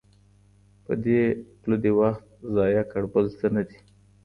په دې پله دي وخت ضایع کړ بل څه نه کړې